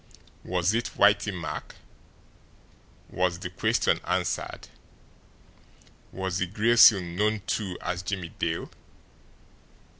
Was it Whitey Mack? Was the question answered? Was the Gray Seal known, too, as Jimmie Dale?